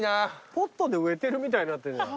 ポットで植えてるみたいになってるじゃん。